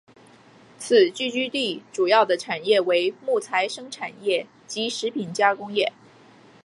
此聚居地主要的产业为木材生产业及食品加工业。